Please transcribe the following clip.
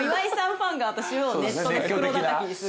ファンが私をネットで袋だたきにする。